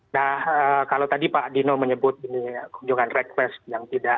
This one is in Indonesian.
nah kalau tadi pak dino menyebut ini kunjungan request yang tidak